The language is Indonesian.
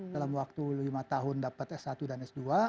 dalam waktu lima tahun dapat s satu dan s dua